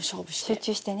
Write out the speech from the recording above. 集中してね。